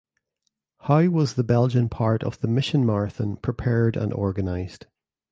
How was the Belgian part of the Mission Marathon prepared and organised?